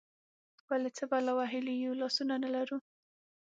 ولې، څه بلا وهلي یو، لاسونه نه لرو؟